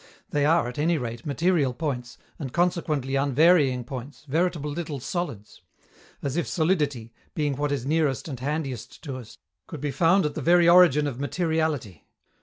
They are, at any rate, "material points," and consequently unvarying points, veritable little solids: as if solidity, being what is nearest and handiest to us, could be found at the very origin of materiality!